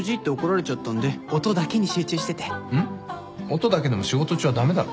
音だけでも仕事中は駄目だろ。